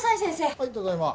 はいただいま。